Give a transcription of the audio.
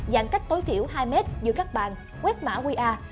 giãn cách tối thiểu hai mét giữa các bàn quét mã qr